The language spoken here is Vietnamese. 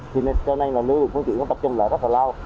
cho nên lưu được phương truyện tập trung lại rất là lâu